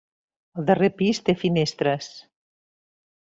El darrer pis té finestres.